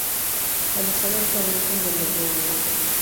Alexander es aborigen de Melbourne.